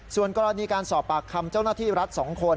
ส่วนกรณีการสอบปากคำเจ้าหน้าที่รัฐ๒คน